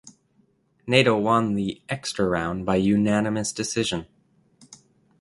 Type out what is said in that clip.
Naito won the extra round by unanimous decision.